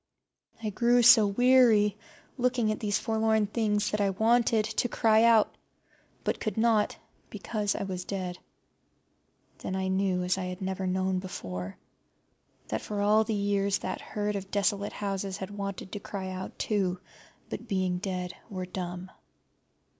I grew so weary looking at these forlorn things that I wanted to cry out, but could not, because I was dead. Then I knew, as I had never known before, that for all the years that herd of desolate houses had wanted to cry out too, but, being dead, were dumb.